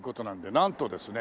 なんとですね